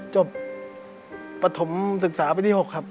จบประถมศึกษาไปที่๖ครับ